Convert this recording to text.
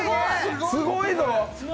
すごいぞ！